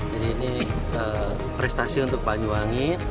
jadi ini prestasi untuk banyuwangi